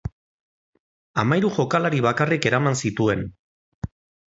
Hamahiru jokalari bakarrik eraman zituen.